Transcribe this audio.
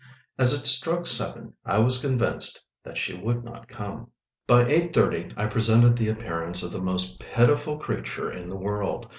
As it struck seven I was convinced that she would not come. By 8:30 I presented the appearance of the most pitiful creature in the world.